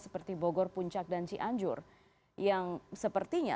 saat ini bergabung dalam hal ini